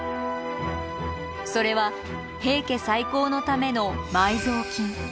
それは平家再興のための埋蔵金。